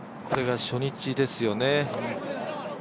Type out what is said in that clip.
これが初日ですよね。